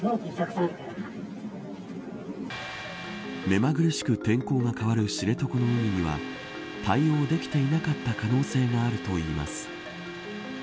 目まぐるしく天候が変わる知床の海には対応できていなかった可能性があるといいます。